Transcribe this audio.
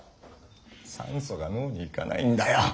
酸素が脳に行かないんだよ！！